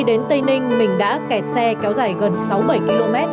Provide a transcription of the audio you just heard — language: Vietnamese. đến tây ninh mình đã kẹt xe kéo dài gần sáu mươi bảy km